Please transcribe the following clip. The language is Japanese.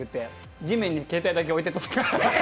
地面に携帯だけ置いて撮った。